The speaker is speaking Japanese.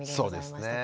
そうですね。